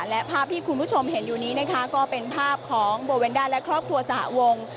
และภาพที่คุณผู้ชมเห็นอยู่นี้นะคะก็เป็นภาพของโบเวนด้าและครอบครัวสหวง